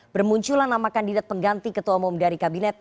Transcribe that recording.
bermunculan nama kandidat pengganti ketua umum dari kabinet